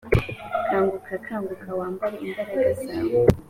kanguka kanguka wambare imbaraga zawe